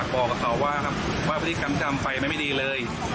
บอกเขาว่าครับว่าพฤติกรรมทำไปไม่ดีเลย